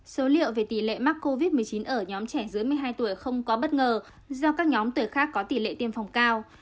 số liệu về tỷ lệ mắc covid một mươi chín ở nhóm trẻ dưới một mươi hai tuổi không có bất ngờ do các nhóm tuổi khác có tỷ lệ tiêm phòng cao